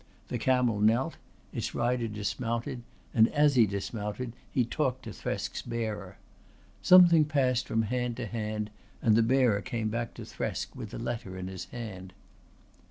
The camel knelt; its rider dismounted, and as he dismounted he talked to Thresk's bearer. Something passed from hand to hand and the bearer came back to Thresk with a letter in his hand.